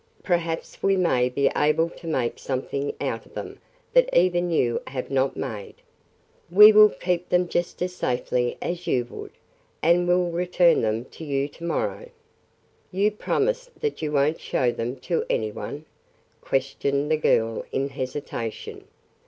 Perhaps we may be able to make something out of them that even you have not made. We will keep them just as safely as you would, and will return them to you to morrow." "You promise that you won't show them to any one?" questioned the girl in hesitation.